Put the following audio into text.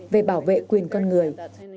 về bảo vệ quyền con người